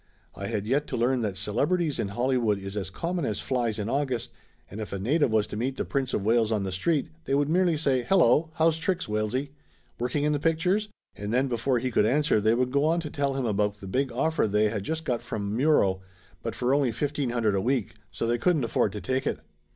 I had yet to learn that celebrities in Hollywood is as common as flies in August, and if a native was to meet the Prince of Wales on the street they would merely say "Hello, how's tricks, Walesy? Working in the pictures?" and then before he could answer they would go on to tell him about the big offer they had just got from Muro, but for only fifteen hundred a week, so they couldn't afford to take it.